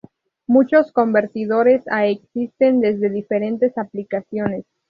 Muchos convertidores a existen desde diferentes aplicaciones.